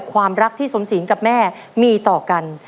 ความรักที่สมศีลกับแม่มีต่อกัน